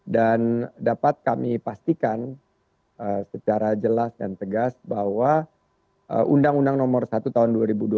dan dapat kami pastikan secara jelas dan tegas bahwa undang undang nomor satu tahun dua ribu dua puluh dua